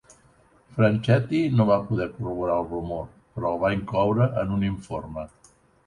Franchetti no va poder corroborar el rumor, però el va incloure en un informe.